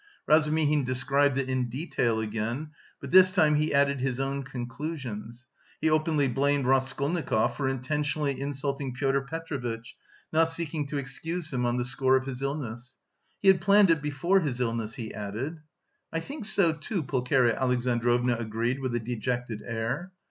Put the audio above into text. Razumihin described it in detail again, but this time he added his own conclusions: he openly blamed Raskolnikov for intentionally insulting Pyotr Petrovitch, not seeking to excuse him on the score of his illness. "He had planned it before his illness," he added. "I think so, too," Pulcheria Alexandrovna agreed with a dejected air.